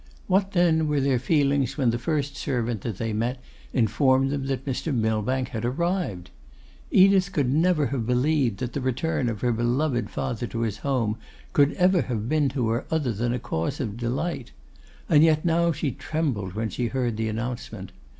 What, then, were their feelings when the first servant that they met informed them that Mr. Millbank had arrived! Edith never could have believed that the return of her beloved father to his home could ever have been to her other than a cause of delight. And yet now she trembled when she heard the announcement.